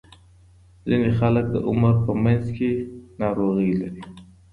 ځینې خلک د عمر په منځ کې ناروغۍ لري.